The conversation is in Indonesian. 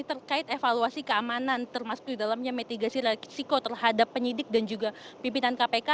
terkait evaluasi keamanan termasuk di dalamnya mitigasi resiko terhadap penyidik dan juga pimpinan kpk